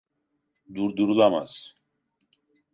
Durdurulamaz.